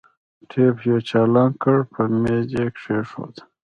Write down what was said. ټېپ يې چالان کړ پر ميز يې کښېښود.